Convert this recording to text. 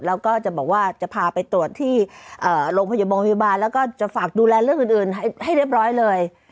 แล้วก็จะบอกว่าจะพาไปตรวจที่โรงพยาบาลแล้วก็จะฝากดูแลเรื่องอื่นให้เรียบร้อยเลย